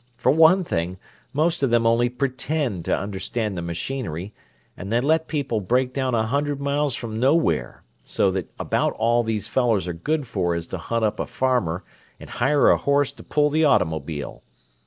For one thing, most of them only pretend to understand the machinery and they let people break down a hundred miles from nowhere, so that about all these fellows are good for is to hunt up a farmer and hire a horse to pull the automobile.